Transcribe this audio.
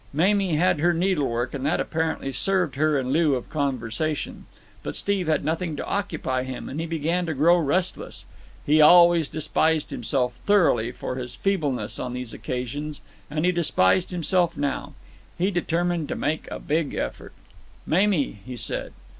Mamie had her needlework, and that apparently served her in lieu of conversation; but Steve had nothing to occupy him, and he began to grow restless. He always despised himself thoroughly for his feebleness on these occasions; and he despised himself now. He determined to make a big effort. "Mamie!" he said.